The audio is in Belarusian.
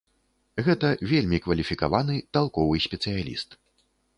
Гэта вельмі кваліфікаваны, талковы спецыяліст.